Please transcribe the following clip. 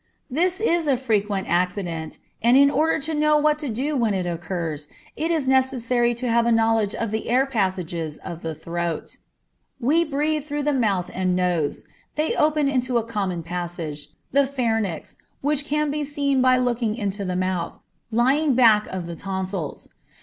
_ This is a frequent accident, and in order to know what to do when it occurs, it is necessary to have a knowledge of the air passages of the throat. We breathe through the mouth and nose. They open into a common passage, the pharynx, which can be seen by looking into the mouth, lying back of the tonsils.